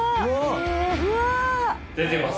出てます？